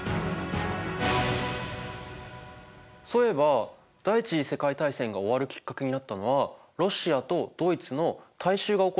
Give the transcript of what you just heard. そういえば第一次世界大戦が終わるきっかけになったのはロシアとドイツの大衆が起こした革命だったよね。